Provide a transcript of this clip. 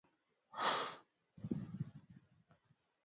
Hizi nazo njema kazi, yafaa uzibaini